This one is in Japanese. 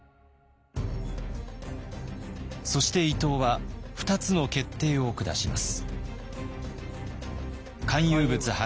そして伊藤は２つの決定を下します。